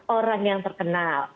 orang yang terkenal